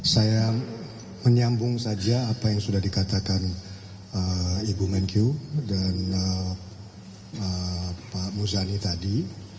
saya menyambung saja apa yang sudah dikatakan ibu menkyu dan pak muzani tadi